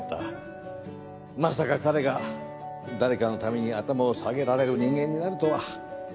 まさか彼が誰かのために頭を下げられる人間になるとは。